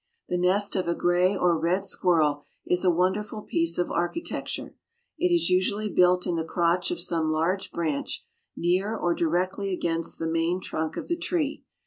The nest of a gray or red squirrel is a wonderful piece of architecture. It is usually built in the crotch of some large branch, near or directly against the main trunk of the tree.